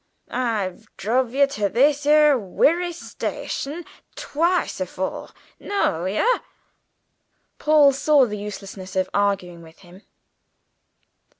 I've druv yer to this 'ere werry station twice afore. Know yer!" Paul saw the uselessness of arguing with him.